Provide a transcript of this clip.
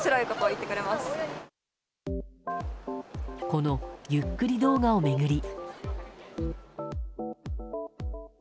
このゆっくり動画を巡り。